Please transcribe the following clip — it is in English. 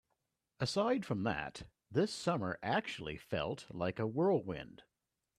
Aside from that, this summer actually felt like a whirlwind.